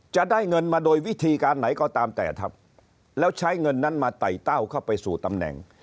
จะได้เงินมาโดยวิธีการไหนก็ตามแต่ครับแล้วใช้เงินนั้นมาไต่เต้าเข้าไปสู่ตำแหน่ง